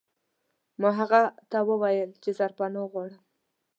ما هغه ته وویل چې سرپناه غواړم.